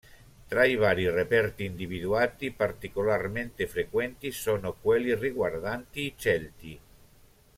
Tra i vari reperti individuati, particolarmente frequenti sono quelli riguardanti i Celti.